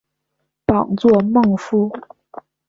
榜作孟富。